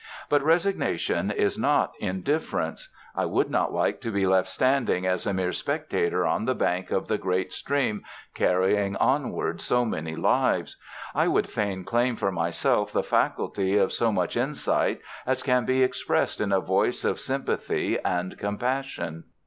But resignation is not indifference. I would not like to be left standing as a mere spectator on the bank of the great stream carrying onward so many lives. I would fain claim for myself the faculty of so much insight as can be expressed in a voice of sympathy and compassion.